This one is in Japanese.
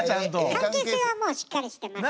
関係性はもうしっかりしてます。